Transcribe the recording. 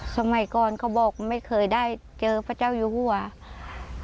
สมัยก่อนเขาบอกไม่เคยได้เจอพระเจ้าอยู่หัว